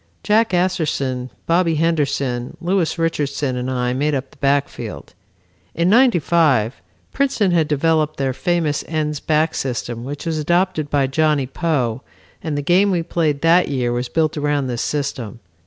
Jack Asserson, Bobby Henderson, Louis Richardson and I made up the backfield. In '95, Princeton had developed their famous ends back system which was adopted by Johnny Poe and the game we played that year was built around this system.